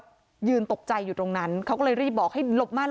ก็ยืนตกใจอยู่ตรงนั้นเขาก็เลยรีบบอกให้หลบมั่น